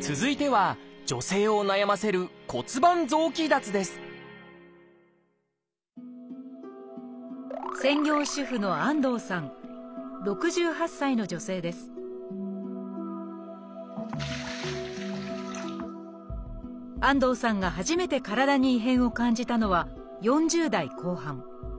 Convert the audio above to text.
続いては女性を悩ませる専業主婦の安藤さん６８歳の女性です安藤さんが初めて体に異変を感じたのは４０代後半。